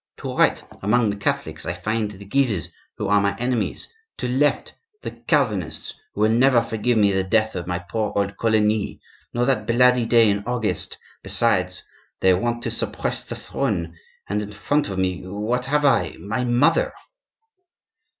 To right, among the Catholics, I find the Guises, who are my enemies; to left, the Calvinists, who will never forgive me the death of my poor old Coligny, nor that bloody day in August; besides, they want to suppress the throne; and in front of me what have I?—my mother!"